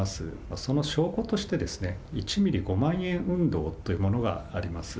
その証拠としてですね、１ミリ５万円運動というものがあります。